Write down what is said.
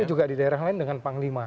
tapi juga di daerah lain dengan panglima